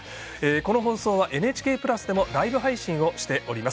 この放送はＮＨＫプラスでもライブ配信をしております。